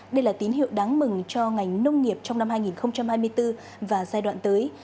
đây là tín hiệu đáng mừng cho ngành nông nghiệp trong năm hai nghìn hai mươi bốn và giai đoạn tới